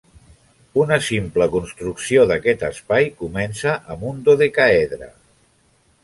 Una simple construcció d'aquest espai comença amb un dodecaedre.